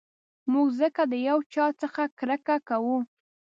موږ ځکه د یو چا څخه کرکه کوو.